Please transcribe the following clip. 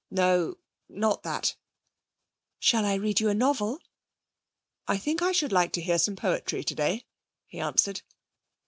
'No not that' 'Shall I read you a novel?' 'I think I should like to hear some poetry today,' he answered.